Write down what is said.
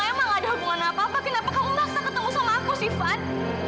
kalau emang ada hubungan apa apa kenapa kamu masih takut ketemu sama aku van